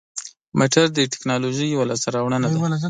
موټر د تکنالوژۍ یوه لاسته راوړنه ده.